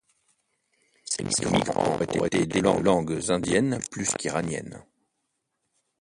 Ces migrants auraient été de langues indiennes plus qu'iraniennes.